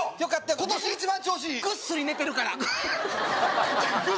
今年一番調子いいぐっすり寝てるからははははっ